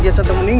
aku akan menang